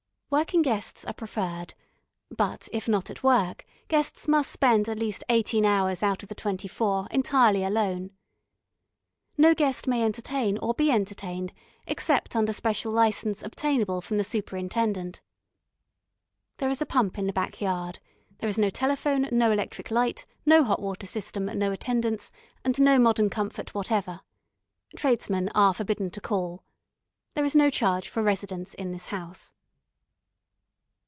Working guests are preferred, but if not at work, guests must spend at least eighteen hours out of the twenty four entirely alone. No guest may entertain or be entertained except under special license obtainable from the Superintendent. There is a pump in the back yard. There is no telephone, no electric light, no hot water system, no attendance, and no modern comfort whatever. Tradesmen are forbidden to call. There is no charge for residence in this house.